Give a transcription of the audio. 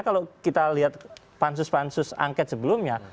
kalau kita lihat pansus pansus angket sebelumnya